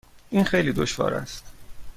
این خیلی دشوار است.